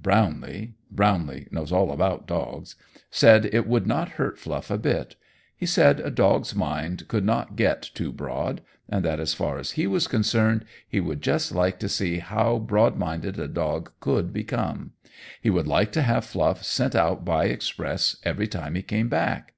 Brownlee Brownlee knows all about dogs said it would not hurt Fluff a bit; he said a dog's mind could not get too broad, and that as far as he was concerned he would just like to see once how broad minded a dog could become; he would like to have Fluff sent out by express every time he came back.